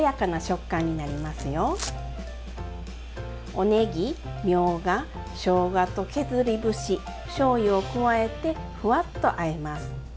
おねぎみょうがしょうがと削り節しょうゆを加えてふわっとあえます。